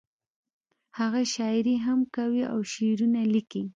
هغه شاعري هم کوي او شعرونه ليکي